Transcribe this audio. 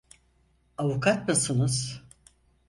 Avukat mısınız?